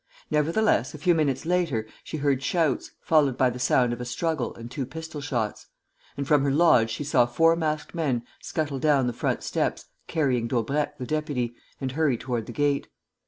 Nevertheless, a few minutes later, she heard shouts, followed by the sound of a struggle and two pistol shots; and from her lodge she saw four masked men scuttle down the front steps, carrying Daubrecq the deputy, and hurry toward the gate.